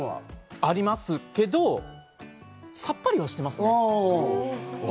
ありますけど、さっぱりはしてます。